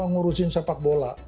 ngurusin sepak bola